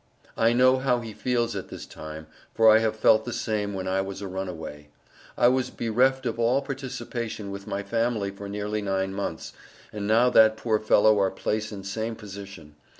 I know how he feels at this time, for I have felt the same when I was a runway. I was bereft of all participation with my family for nearly nine months, and now that poor fellow are place in same position.